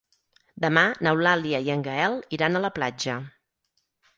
Demà n'Eulàlia i en Gaël iran a la platja.